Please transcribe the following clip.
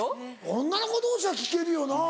女の子同士は聞けるよな。